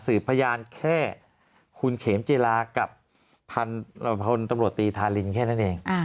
สืบพยานแค่คุณเขมเจรากับพันธุ์บริษัทธาลินแค่นั้นเอง